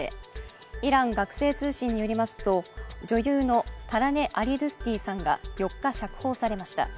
イラン学生通信によりますと、女優のタラネ・アリドゥスティさんが４日、釈放されました。